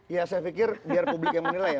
ya saya pikir biar publik yang menilai ya